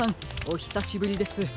おひさしぶりです。